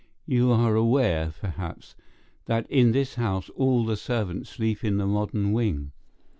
You are aware, perhaps, that in this house all the servants sleep in the modern wing.